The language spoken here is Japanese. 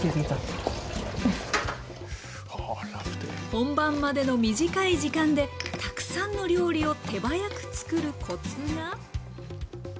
本番までの短い時間でたくさんの料理を手早く作るコツは？